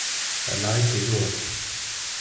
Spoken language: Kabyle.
Allaɣ-is iluɣ.